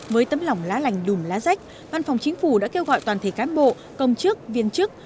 với tấm lòng lá lành đùm lá rách văn phòng chính phủ đã kêu gọi toàn thể cán bộ công chức viên chức